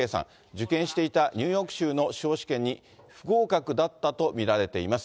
受験していたニューヨーク州の司法試験に不合格だったと見られています。